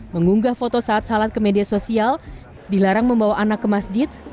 mengunggah foto saat salat ke media sosial dilarang membawa anak ke masjid